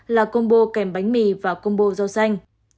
là combo kèm bánh mì và combo rau xanh